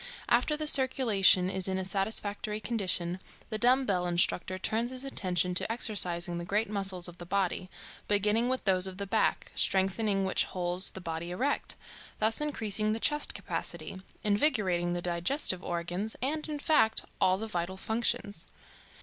After the circulation is in a satisfactory condition, the dumbbell instructor turns his attention to exercising the great muscles of the body, beginning with those of the back, strengthening which holds the body erect, thus increasing the chest capacity, invigorating the digestive organs, and, in fact, all the vital functions.